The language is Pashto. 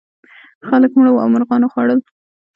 خلک مړه وو او مرغانو خوړل.